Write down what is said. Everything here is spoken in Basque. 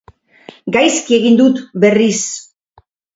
Gaizki egin dut, berriz.